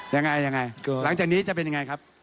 ยังไงยังไงหลังจากนี้จะเป็นยังไงครับ